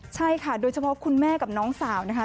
ใช่ค่ะโดยเฉพาะคุณแม่กับน้องสาวนะคะ